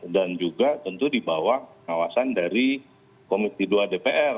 dan juga tentu dibawa kawasan dari komiti dua dpr